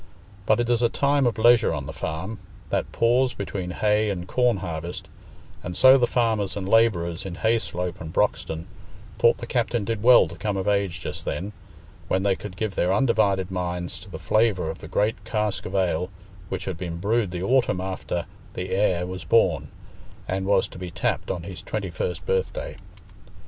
But it is a time of leisure on the farm—that pause between hay and corn harvest, and so the farmers and labourers in Hayslope and Broxton thought the captain did well to come of age just then, when they could give their undivided minds to the flavour of the great cask of ale which had been brewed the autumn after "the heir" was born, and was to be tapped on his twenty first birthday.